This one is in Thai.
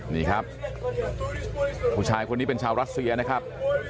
นี่ครับผู้ชายคนนี้เป็นชาวรัสเซียนะครับ